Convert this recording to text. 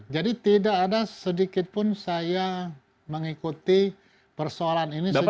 jadi tidak ada sedikitpun saya mengikuti persoalan ini sejak malam